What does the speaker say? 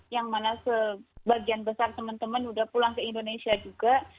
yang mana sebagian besar teman teman sudah pulang ke indonesia juga